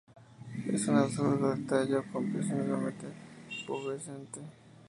Es un arbusto con el tallo copiosamente pubescente.